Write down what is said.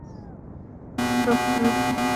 সব মানুষই বিরক্তিকর।